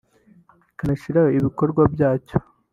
ikanashyiraho ibikorwa byacyo